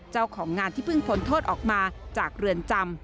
เจ้าของงานที่เพิ่งพ้นโทษออกมาจากเรือนจำ